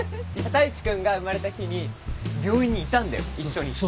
太一君が生まれた日に病院にいたんだよ一緒に。